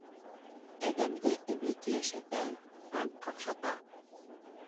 Әҙәмде өмөт йәшәтә, ғәм ҡаҡшата.